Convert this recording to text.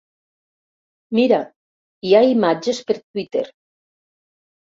Mira, hi ha imatges per Twitter.